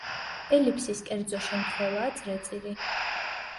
ელიფსის კერძო შემთხვევაა წრეწირი.